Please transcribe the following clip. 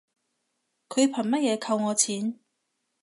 佢憑乜嘢扣我錢